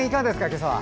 今朝は。